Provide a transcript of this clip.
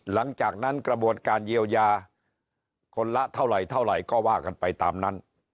หลังจากนั้นกระบวนการเยียวยาคนละเท่าไหร่เท่าไหร่ก็ว่ากันไปตามนั้น